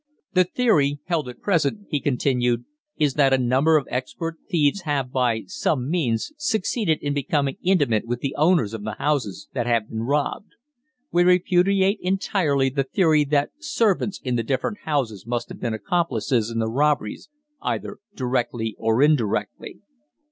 The theory held at present," he continued, "is that a number of expert thieves have by some means succeeded in becoming intimate with the owners of the houses that have been robbed. We repudiate entirely the theory that servants in the different houses must have been accomplices in the robberies either directly or indirectly."